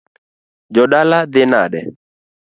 Jodala dhi nade?